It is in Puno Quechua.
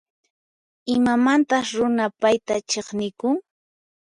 Imamantas runa payta chiqnikun?